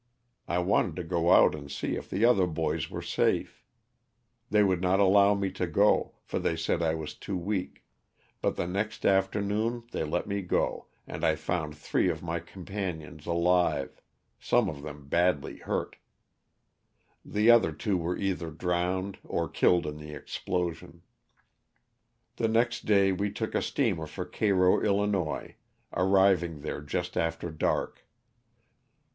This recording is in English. I wanted to go out and see if the other boys were safe. They would not allow me to go, for they said I was too weak, but the next afternoon they let me go and I found three of my com panions alive — some of them badly hurt. The other two were either drowned or killed in the explosion. The next day we took a steamer for Cairo, 111., arriv ing there just after dark.